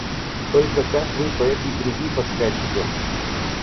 Только как вы по этой грязи поскачете?